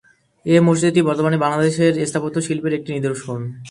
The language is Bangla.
এ মসজিদটি বর্তমানে বাংলাদেশের স্থাপত্য শিল্পের একটি নিদর্শন।